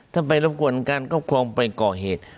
ถ้าไปรบกวนการครอบครองไปก่อเหตุ